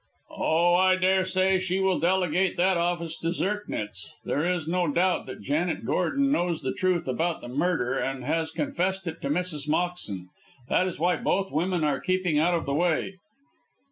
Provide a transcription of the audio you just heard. "Oh, I daresay she will delegate that office to Zirknitz. There is no doubt that Janet Gordon knows the truth about the murder, and has confessed it to Mrs. Moxton. That is why both women are keeping out of the way."